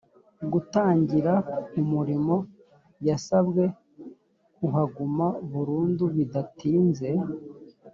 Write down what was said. gutangira umurimo yasabwe kuhaguma burundu bidatinze